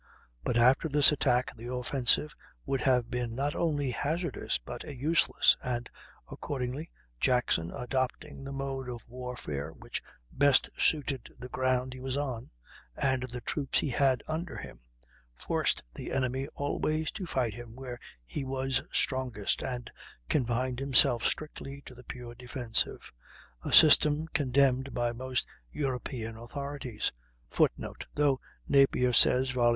But after this attack the offensive would have been not only hazardous, but useless, and accordingly Jackson, adopting the mode of warfare which best suited the ground he was on and the troops he had under him, forced the enemy always to fight him where he was strongest, and confined himself strictly to the pure defensive a system condemned by most European authorities, [Footnote: Thus Napier says (vol.